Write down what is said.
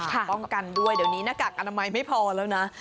ป้องกันด้วยเดี๋ยวนี้หน้ากากอนามัยไม่พอแล้วนะ